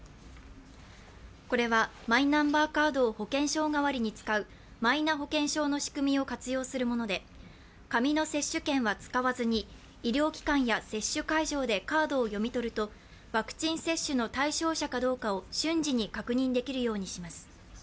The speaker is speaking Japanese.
これはマイナンバーカードを保険証代わりに使うマイナ保険証の仕組みを活用するもので紙の接種券は使わずに医療機関や接種会場でカードを読み取ると、ワクチン接種の対象者かどうかを瞬時に確認できるようにします。